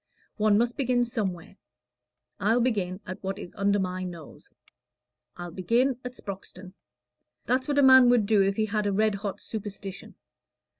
One must begin somewhere: I'll begin at what is under my nose. I'll begin at Sproxton. That's what a man would do if he had a red hot superstition.